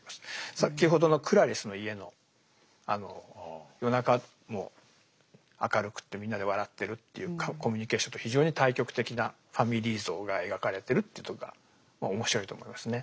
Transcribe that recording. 先ほどのクラリスの家のあの夜中も明るくってみんなで笑ってるっていうコミュニケーションと非常に対極的なファミリー像が描かれてるっていうとこがまあ面白いと思いますね。